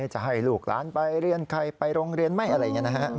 จะให้ลูกหลานไปเรียนใครไปโรงเรียนไหมอะไรอย่างนี้นะฮะ